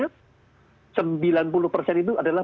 sembilan puluh persen itu adalah